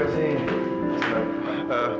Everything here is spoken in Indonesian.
abisan diusir sih